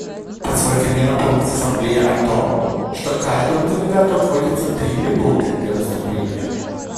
Позвольте мне напомнить Ассамблее о том, что каждому делегату отводится три минуты для выступления.